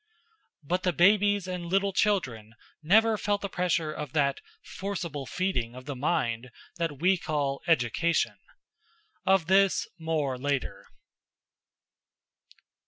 But the babies and little children never felt the pressure of that "forcible feeding" of the mind that we call "education." Of this, more later.